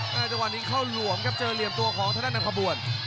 ตอนนี้เข้าหลวงครับเจอเหลี่ยมตัวของท่านน้ำคบวน